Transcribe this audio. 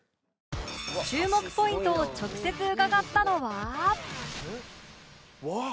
注目ポイントを直接伺ったのは